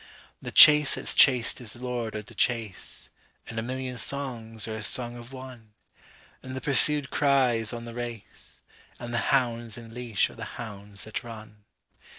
15The chase that's chased is the Lord o' the chase,16(And a million songs are as song of one)17And the pursued cries on the race;18And the hounds in leash are the hounds that run.